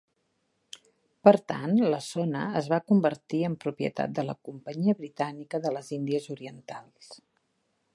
Per tant, la zona es va convertir en propietat de la Companyia Britànica de les Índies Orientals.